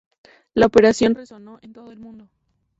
La operación resonó en todo el mundo.